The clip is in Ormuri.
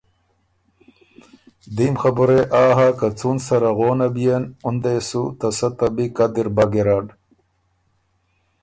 دیم خبُره يې آ هۀ که څُون سره غونه بيېن اُن دې سُو ته سۀ ته بی قدِر بَۀ ګیرډ